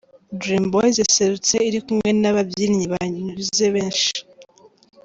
Dream Boys yaserutse iri kumwe n’ababyinnyi banyuze benshi.